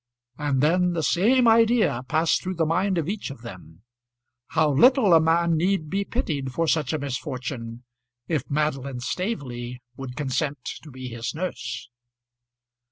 And then the same idea passed through the mind of each of them; how little a man need be pitied for such a misfortune if Madeline Staveley would consent to be his nurse. [Illustration: Felix Graham in trouble.